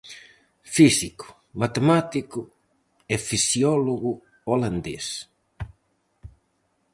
Físico, matemático e fisiólogo holandés.